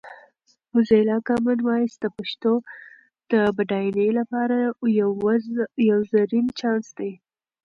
موزیلا کامن وایس د پښتو د بډاینې لپاره یو زرین چانس دی.